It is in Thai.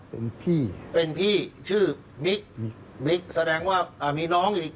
เป็นพี่เป็นพี่ชื่อบิ๊กบิ๊กแสดงว่าอ่ามีน้องอีก